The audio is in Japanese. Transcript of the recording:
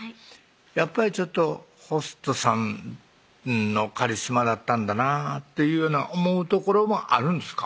やっぱりちょっとホストさんのカリスマだったんだなっていうような思うところもあるんですか？